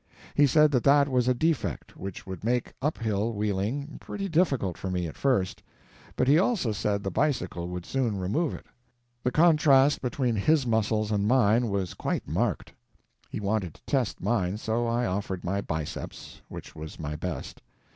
He said that that was a defect which would make up hill wheeling pretty difficult for me at first; but he also said the bicycle would soon remove it. The contrast between his muscles and mine was quite marked. He wanted to test mine, so I offered my biceps—which was my best.